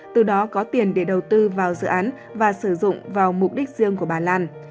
từ đó có tiền để đầu tư vào dự án và sử dụng vào mục đích riêng của bà lan